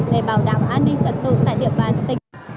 để bảo đảm an ninh trật tự tại địa bàn tỉnh